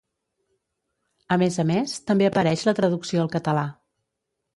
A més a més, també apareix la traducció al català.